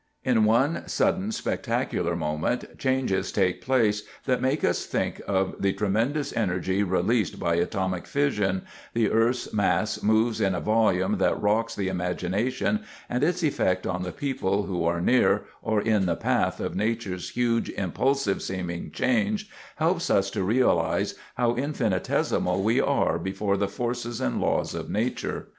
In one sudden, spectacular moment, changes take place that make us think of the tremendous energy released by atomic fission, the earth's mass moves in a volume that rocks the imagination, and its effect on the people who are near, or in the path of nature's huge, impulsive seeming change helps us to realize how infinitesimal we are before the forces and laws of nature.